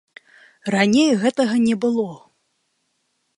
Раней гэтага не было.